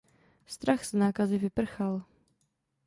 Strach z nákazy vyprchal.